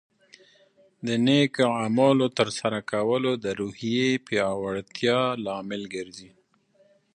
د نیکو اعمالو ترسره کول د روحیې پیاوړتیا لامل کیږي.